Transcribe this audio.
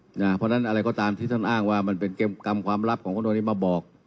เพราะฉะนั้นอะไรก็ตามที่ท่านอ้างว่ามันเป็นกรรมความลับของคนตรงนี้มาบอก